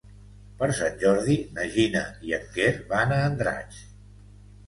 Per Sant Jordi na Gina i en Quer van a Andratx.